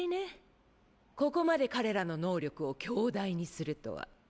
ここまで彼らの能力を強大にするとは。